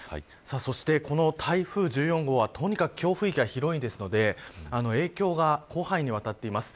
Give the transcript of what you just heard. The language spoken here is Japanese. そして、この台風１４号はとにかく強風域が広いので影響が広範囲にわたっています。